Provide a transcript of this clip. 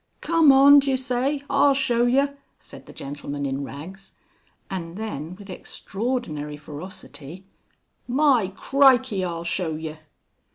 "Come on d'yer say? I'll show yer," said the gentleman in rags, and then with extraordinary ferocity; "My crikey! I'll show yer."